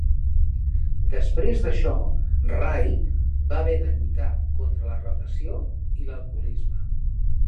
Després d'això, Ray va haver de lluitar contra la depressió i l'alcoholisme.